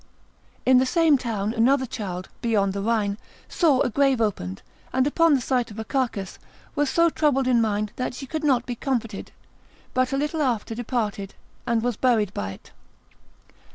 In the same town another child, beyond the Rhine, saw a grave opened, and upon the sight of a carcase, was so troubled in mind that she could not be comforted, but a little after departed, and was buried by it.